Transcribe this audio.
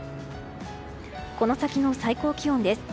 この先の最高気温です。